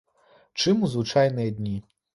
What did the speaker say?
Чым у звычайныя дні.